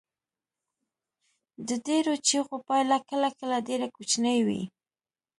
د ډیرو چیغو پایله کله کله ډیره کوچنۍ وي.